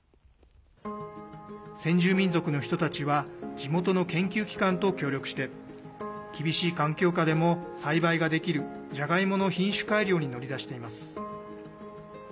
先住民族の人たちは地元の研究機関と協力して厳しい環境下でも栽培ができるじゃがいもの品種改良に乗り出しています。